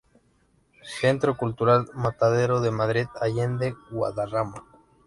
Centro Cultural Matadero de Madrid Allende Guadarrama.